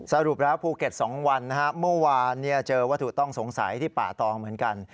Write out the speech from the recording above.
สรุปแล้วภูเก็ต๒วันเมื่อวานเจอวัตถุต้องสงสัยที่ป่าตองเหมือนกัน